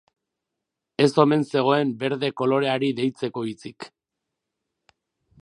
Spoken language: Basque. Ez omen zegoen berde koloreari deitzeko hitzik.